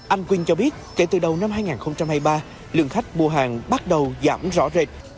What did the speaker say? anh quynh cho biết kể từ đầu năm hai nghìn hai mươi ba lượng khách mua hàng bắt đầu giảm rõ rệt